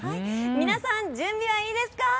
皆さん、準備はいいですか。